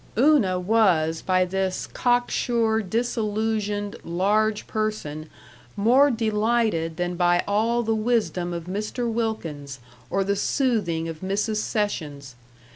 Una was by this cock sure disillusioned, large person more delighted than by all the wisdom of Mr. Wilkins or the soothing of Mrs. Sessions.